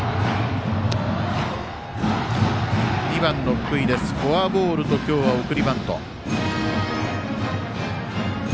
２番の福井、フォアボールと今日は送りバント。